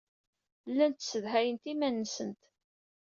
Llant ssedhayent iman-nsent.